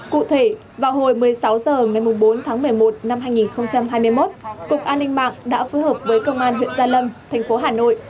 cụ thể vào hồi một mươi sáu h ngày bốn tháng một mươi một năm hai nghìn hai mươi một cục an ninh mạng đã phối hợp với công an huyện gia lâm thành phố hà nội